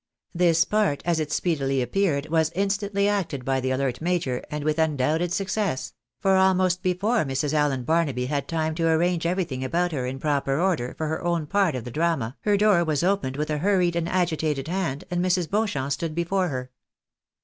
This part, as it speedily appeared, was instantly acted by the alert major, and with undoubted success ; for almost before Mrs. Allen Barnaby had time to arrange everything about her in proper order for her own part of the drama, her door was 206 THE BAENABYS IN AMERICA. opened with a hurried and agitated hand, and Mrs. Beauchamp stood before her.